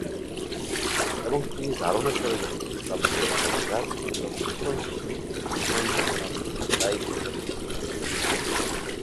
এবং তিনি ধারণা করেন যে, কাব্যের পর যা কিছু সর্বোত্তম শিল্পী চিত্রাঙ্কনের মাধ্যমে তাই প্রকাশের চেষ্টা করতেন।